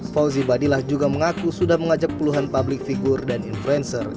fauzi badilah juga mengaku sudah mengajak puluhan publik figur dan influencer